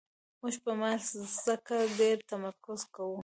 موږ په مار ځکه ډېر تمرکز کوو.